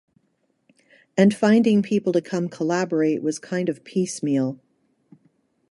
And finding people to come collaborate was kind of piecemeal.